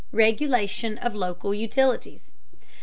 REGULATION OF LOCAL UTILITIES.